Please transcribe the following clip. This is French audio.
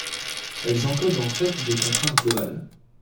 elles encodent en fait des contraintes globales